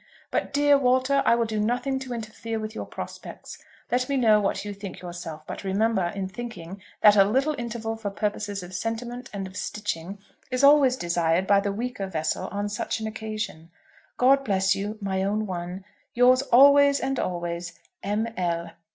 But, dear Walter, I will do nothing to interfere with your prospects. Let me know what you think yourself; but remember, in thinking, that a little interval for purposes of sentiment and of stitching is always desired by the weaker vessel on such an occasion. God bless you, my own one, Yours always and always, M. L.